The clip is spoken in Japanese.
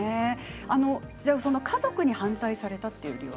家族に反対されたという理由は？